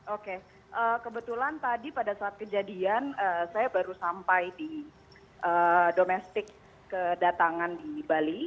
oke kebetulan tadi pada saat kejadian saya baru sampai di domestik kedatangan di bali